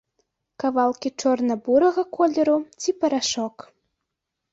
Кавалкі чорна-бурага колеру ці парашок.